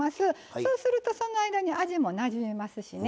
そうするとその間に味もなじみますしね。